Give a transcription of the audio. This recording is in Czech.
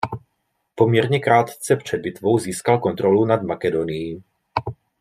Poměrně krátce před bitvou získal kontrolu nad Makedonií.